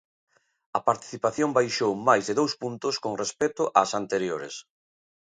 A participación baixou máis de dous puntos con respecto ás anteriores.